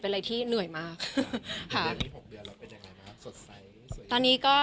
ปะในเดือนที่๖เดือนเอาใจยังไงมากสดใส